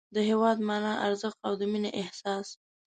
د هېواد مانا، ارزښت او د مینې احساس